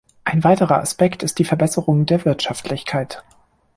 Ein weiterer Aspekt ist die Verbesserung der Wirtschaftlichkeit.